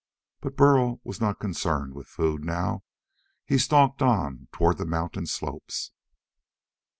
But Burl was not concerned with food, now. He stalked on toward the mountain slopes.